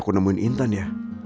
aku nemuin intan ya